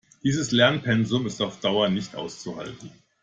Dieses Lernpensum ist auf Dauer nicht auszuhalten.